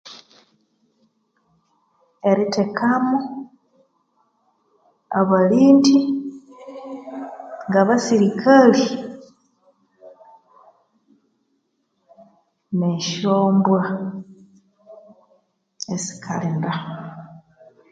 Erithekamu abalindi nga basirikali ne syombwa esikalinda